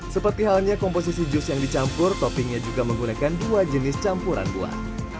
seperti halnya komposisi jus yang dicampur toppingnya juga menggunakan dua jenis campuran buah